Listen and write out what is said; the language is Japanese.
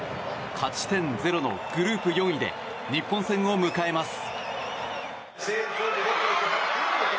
勝ち点０のグループ４位で日本戦を迎えます。